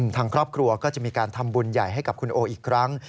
ทางครอบครัวก็จะมีการทำบุญใหญ่ให้กับคุณโออีกครั้ง